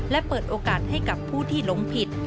และเปิดโอกาสให้กับผู้ที่หลงผิด